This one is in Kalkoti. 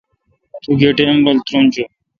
توگہ ٹیم رل ترونجون؟